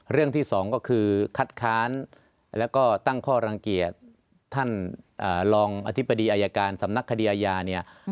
เรื่องที่สองก็คือคัดค้านแล้วก็ตั้งข้อรังเกียจท่านรองอธิบดีอายการสำนักคดีอาญาเนี่ย